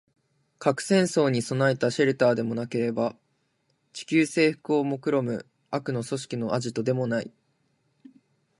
核戦争に備えたシェルターでもなければ、地球制服を企む悪の組織のアジトでもない